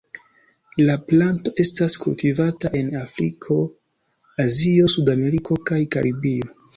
La planto estas kultivata en Afriko, Azio, Sudameriko kaj Karibio.